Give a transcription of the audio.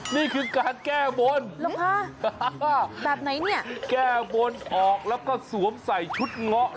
นี่คือการแก้ขบน